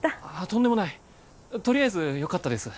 とんでもないとりあえずよかったです